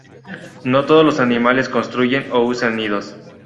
No todos los animales construyen o usan nidos.